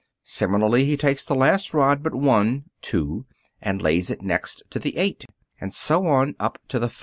Similarly, he takes the last rod but one (2) and lays it next to the 8, and so on up to the 5.